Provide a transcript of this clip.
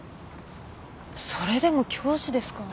それでも教師ですか？